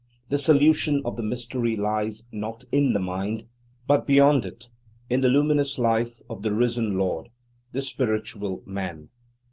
The solution of the mystery lies not in the "mind" but beyond it, in the luminous life of the risen Lord, the Spiritual Man.